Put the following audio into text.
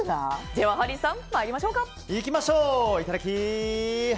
ハリーさん、参りましょうか。